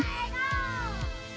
masuk pak eko